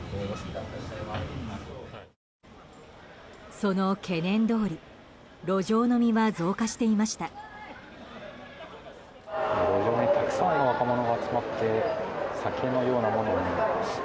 その懸念どおり路上飲みは増加していました。